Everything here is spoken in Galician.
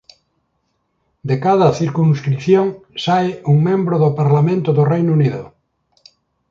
De cada circunscrición sae un membro do parlamento do Reino Unido.